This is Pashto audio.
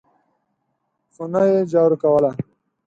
خونه یې جارو کوله !